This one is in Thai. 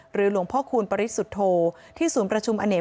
หรือหลวงพระคูณปริศุโธที่ศูนย์ประชุมอเนต